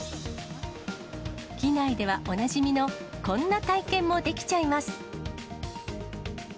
機内ではおなじみのこんな体験もできちゃいます。